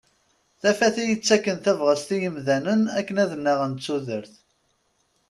Tafat i yettakken tabɣest i yimdanen akken ad nnaɣen d tudert.